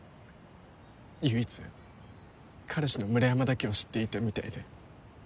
唯一彼氏の村山だけは知っていたみたいで。